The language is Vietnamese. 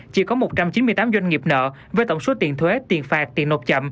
chỉ có một trăm chín mươi tám doanh nghiệp nợ với tổng số tiền thuế tiền phạt tiền nộp chậm